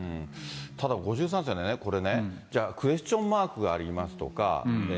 ただ、５３世ね、これね、じゃあ、クエスチョンマークがありますとか。